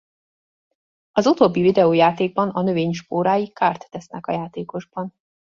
Az utóbbi videójátékban a növény spórái kárt tesznek a játékosban.